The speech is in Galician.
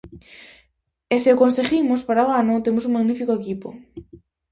E se o conseguimos, para o ano temos un magnífico equipo.